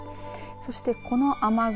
そしてこの雨雲